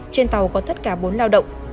trên tàu có tất cả bốn lao động